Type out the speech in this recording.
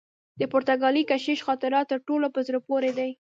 د پرتګالي کشیش خاطرات تر ټولو په زړه پوري دي.